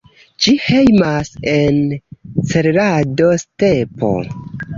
Ĝi hejmas en Cerrado-stepo.